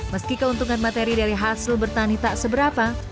meski keuntungan materi dari hasil bertani tak seberapa